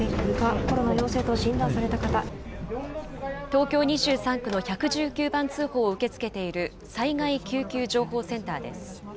東京２３区の１１９番通報を受け付けている災害救急情報センターです。